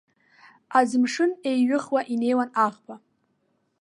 Аӡымшын еиҩыхуа инеиуан аӷба.